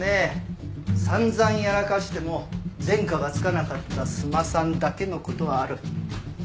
散々やらかしても前科がつかなかった須磨さんだけのことはある。